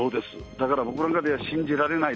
だから僕の中では信じられない。